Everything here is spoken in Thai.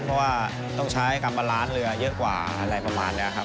เพราะว่าต้องใช้กรรมบาลานซ์เรือเยอะกว่าอะไรประมาณนี้ครับ